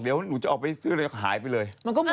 เดี๋ยวหนูจะออกไปซื้ออะไรก็หายไปเลย